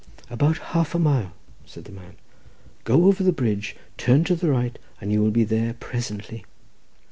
"About half a mile," said the man. "Go over the bridge, turn to the right, and you will be there presently."